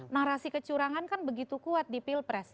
narasi kecurangan kan begitu kuat di pilpres